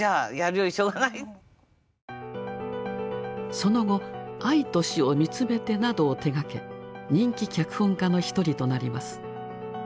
その後「愛と死をみつめて」などを手がけ人気脚本家の一人となります。